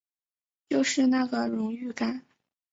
就是那个荣誉感